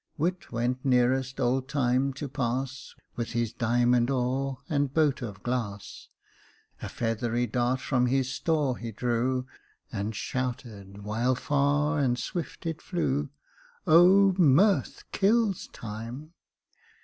^ Wit went nearest Old Time to pass. With his diamond oar and boat of glass, A feathery dart from his store he drew, And shouted, while far and swift it flew. ' O Mirth kills Time.'